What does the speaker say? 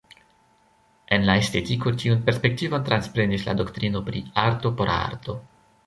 En la estetiko tiun perspektivon transprenis la doktrino pri "arto por arto".